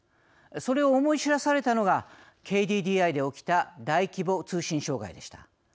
それを思い知らされたのがＫＤＤＩで起きた大規模通信障害でした。